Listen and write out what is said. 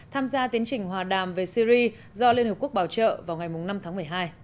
tham gia tiến trình hòa đàm về syri do liên hợp quốc bảo trợ vào ngày năm tháng một mươi hai